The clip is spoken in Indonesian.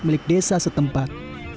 milik desa setempat